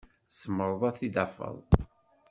Tzemreḍ ad t-id-tafeḍ?